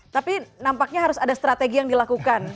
tapi nampaknya harus ada strategi yang dilakukan